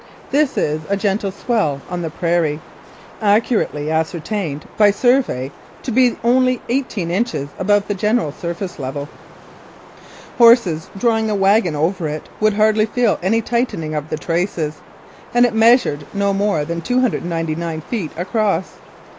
This is a gentle swell on the prairie, accurately ascertained by survey to be only eigh teen inches above the general surface level. Horses draw ing a wagon over it would hardly feel any tightening of the traces, and it measured no more than 299 feet across.